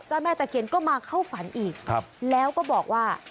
แม่ตะเคียนก็มาเข้าฝันอีกแล้วก็บอกว่า